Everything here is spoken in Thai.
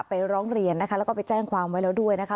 ร้องเรียนนะคะแล้วก็ไปแจ้งความไว้แล้วด้วยนะคะ